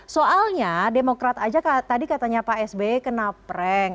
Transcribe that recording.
soalnya demokrat saja tadi katanya pak sbe kena prank